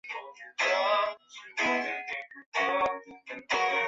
东北百合为百合科百合属下的一个种。